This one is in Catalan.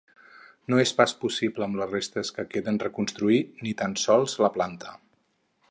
No és pas possible amb les restes que queden reconstruir, ni tan sols, la planta.